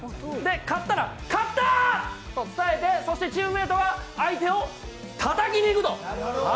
勝ったら、勝った！と伝えてそしてチームメイトが相手をたたきにいくと。